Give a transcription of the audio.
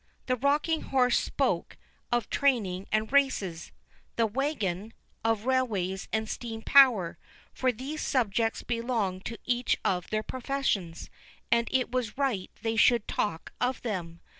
The rocking horse spoke of training and races; the wagon, of railways and steam power, for these subjects belonged to each of their professions, and it was right they should talk of them.